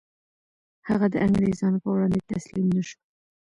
هغه د انګریزانو په وړاندې تسلیم نه شو.